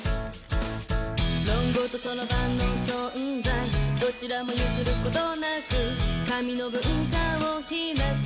「論語と算盤の存在どちらも譲ることなく」「紙の文化を拓き」